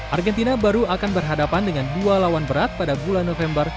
argentina baru akan berhadapan dengan dua lawan berat pada bulan november